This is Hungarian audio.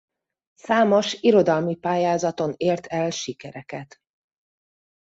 Számos irodalmi pályázaton ért el sikereket.